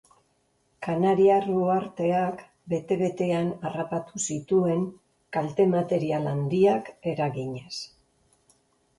Kanariar uharteak bete-betean harrapatu zituen kalte material handiak eraginez.